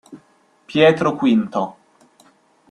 Pietro V